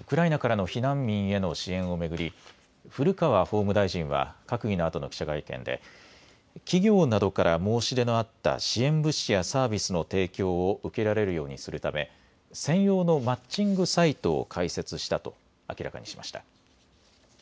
ウクライナからの避難民への支援を巡り古川法務大臣は閣議のあとの記者会見で企業などから申し出のあった支援物資やサービスの提供を受けられるようにするため専用のマッチングサイトを開設したと明らかにしました。